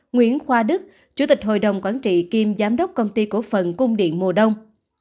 nguyễn khoa đức chủ tịch hội đồng quản trị kiêm giám đốc công ty cổ phần cung điện mùa đông